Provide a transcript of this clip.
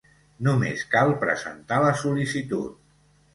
Només cal presentar la sol·licitud.